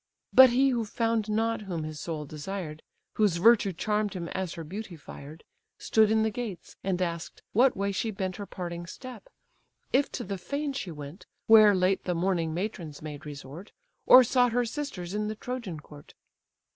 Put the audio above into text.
But he who found not whom his soul desired, Whose virtue charm'd him as her beauty fired, Stood in the gates, and ask'd "what way she bent Her parting step? If to the fane she went, Where late the mourning matrons made resort; Or sought her sisters in the Trojan court?"